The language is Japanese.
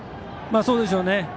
そうでしょうね。